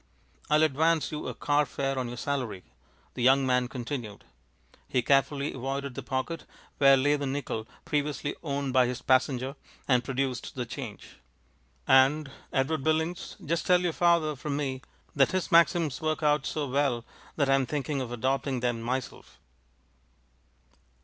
"I'll advance you a car fare on your salary," the young man continued. He carefully avoided the pocket where lay the nickel previously owned by his passenger, and produced the change. "And, Edward Billings, just tell your father from me that his maxims work out so well that I'm thinking of adopting them myself."